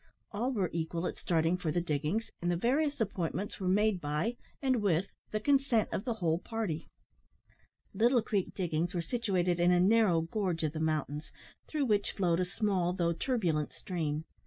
All were equal at starting for the diggings, and the various appointments were made by, and with the consent of the whole party. Little Creek diggings were situated in a narrow gorge of the mountains, through which flowed a small though turbulent stream.